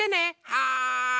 はい。